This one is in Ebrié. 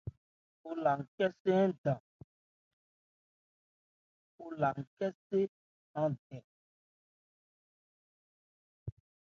O la nkɛ ɔɔ ń dɛn.